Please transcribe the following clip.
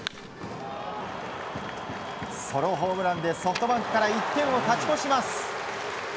ソロホームランでソフトバンクから１点を勝ち越します。